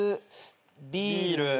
ビール。